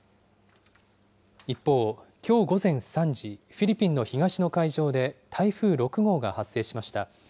一方、きょう午前３時、フィリピンの東の海上で台風６号が発生しました。